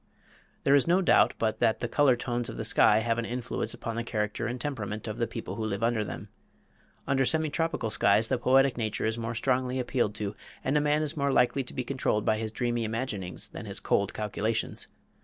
There is no doubt but that the color tones of the sky have an influence upon the character and temperament of the people who live under them. Under semi tropical skies the poetic nature is more strongly appealed to, and a man is more likely to be controlled by his dreamy imaginings than his cold calculations.